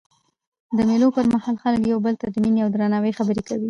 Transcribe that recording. د مېلو پر مهال خلک یو بل ته د میني او درناوي خبري کوي.